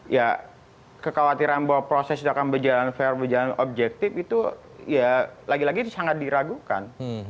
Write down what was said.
ya kekhawatiran bahwa proses itu akan berjalan fair berjalan objektif itu ya lagi lagi itu sangat diragukan